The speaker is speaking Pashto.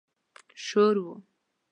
شور و.